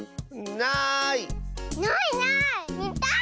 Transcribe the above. ないない！